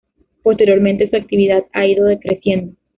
Posteriormente su actividad ha ido decreciendo.